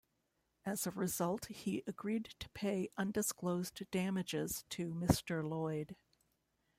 As a result, he agreed to pay undisclosed damages to Mr Lloyd.